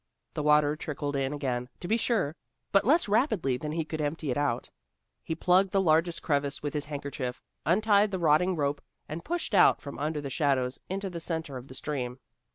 The water trickled in again, to be sure, but less rapidly than he could empty it out. He plugged the largest crevice with his handkerchief, untied the rotting rope, and pushed out from under the shadows into the centre of the stream.